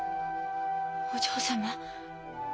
お嬢様。